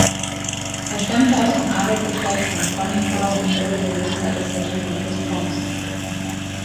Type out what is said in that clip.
Er stammte aus dem Adelsgeschlecht von Ponickau und wurde Besitzer des Rittergutes Pomßen.